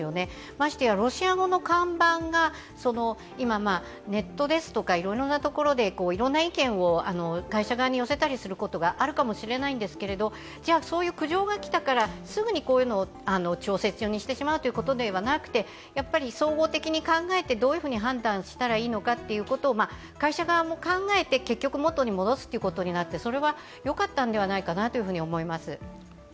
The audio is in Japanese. ましてやロシア語の看板が今、ネットですとかいろんな意見を会社側に寄せたりすることがあるかもしれないですがじゃあそういう苦情が来たからすぐにこういうのを調整中にしてしまうということではなくて総合的に考えて、どういうふうに判断したらいいのかということを会社側も考えて、結局、元に戻すことになってそれはよかったんではないかなと思います。